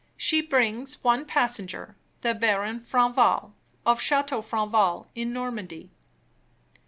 She brings one passenger, the Baron Franval, of Chateau Franval, in Normandy."